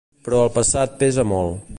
Però el passat pesa molt.